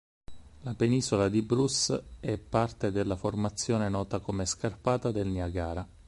La penisola di Bruce è parte della formazione nota come Scarpata del Niagara.